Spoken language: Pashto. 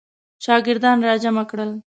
شاګردان را جمع کړل.